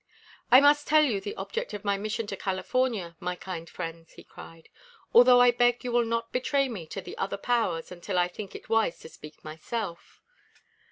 "I must tell you the object of my mission to California, my kind friends!" he cried, "although I beg you will not betray me to the other powers until I think it wise to speak myself.